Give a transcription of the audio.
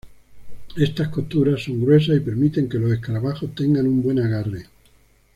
Estas costuras son gruesas y permiten que los escarabajos tengan un buen agarre.